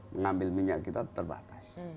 mengambil minyak kita terbatas